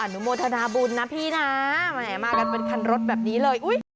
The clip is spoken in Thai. นุโมทนาบุญนะพี่นะแหมมากันเป็นคันรถแบบนี้เลย